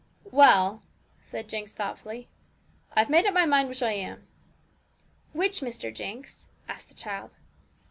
'Well,' said Jinx thoughtfully, 'I've made up my mind which I am.' 'Which, Mr. Jinx?' asked the child.